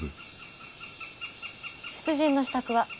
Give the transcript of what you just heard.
出陣の支度は？